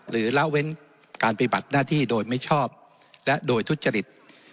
ละเว้นการปฏิบัติหน้าที่โดยไม่ชอบและโดยทุจริต